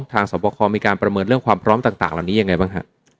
สวบคอมีการประเมินเรื่องความพร้อมต่างเหล่านี้ยังไงบ้างฮะ